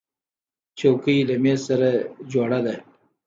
چوکۍ له مېز سره جوړه ده.